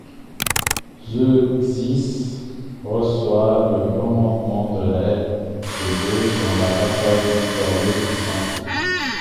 Zeuxis reçoit le commandement de l'aile de gauche dans la bataille victorieuse qui s'ensuit.